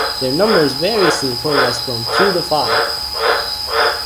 Their number is variously reported as from two to five.